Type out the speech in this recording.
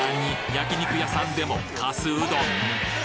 焼き肉屋さんでもかすうどん！？